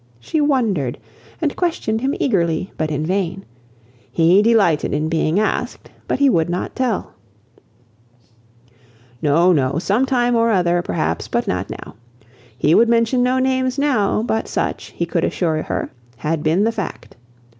She wondered, and questioned him eagerly; but in vain. He delighted in being asked, but he would not tell. "No, no, some time or other, perhaps, but not now. He would mention no names now; but such, he could assure her, had been the fact.